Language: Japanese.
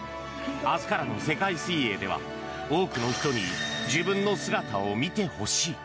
明日からの世界水泳では多くの人に自分の姿を見てほしい。